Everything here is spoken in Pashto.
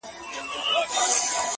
ورته وگورې په مــــــيـــنـــه.